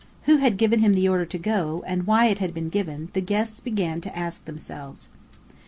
Who had given him the order to go, and why it had been given, the guests began to ask themselves.